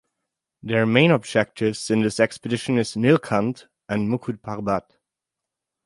Their main objectives in this expedition is Nilkanth and Mukut Parbat.